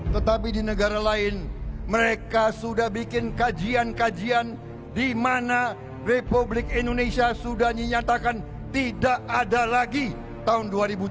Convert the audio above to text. tetapi di negara lain mereka sudah bikin kajian kajian di mana republik indonesia sudah menyatakan tidak ada lagi tahun dua ribu tujuh belas